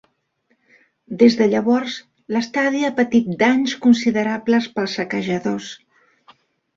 Des de llavors, l'estadi ha patit danys considerables pels saquejadors.